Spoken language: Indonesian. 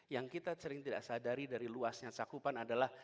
yang kita sering tidak sadari dari luasnya cakupan adalah